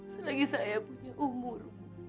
selagi saya punya umur